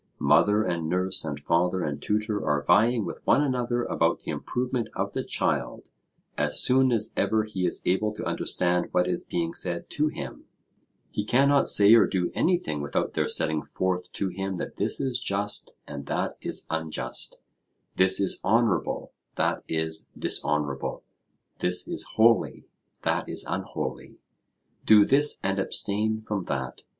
Mother and nurse and father and tutor are vying with one another about the improvement of the child as soon as ever he is able to understand what is being said to him: he cannot say or do anything without their setting forth to him that this is just and that is unjust; this is honourable, that is dishonourable; this is holy, that is unholy; do this and abstain from that.